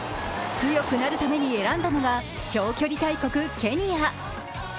強くなるために選んだのが長距離大国ケニア。